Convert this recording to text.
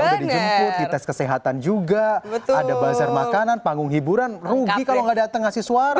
udah dijemput di tes kesehatan juga ada bazar makanan panggung hiburan rugi kalau nggak datang ngasih suara